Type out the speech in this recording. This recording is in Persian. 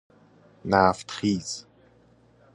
نفت خیز